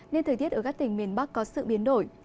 nên thời tiết ở các tỉnh miền bắc có sự biến đổi